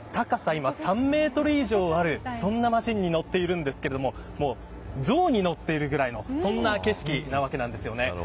今、３メートル以上あるそうなマシンに乗っているんですけれども象に乗っているくらいの景色なわけです。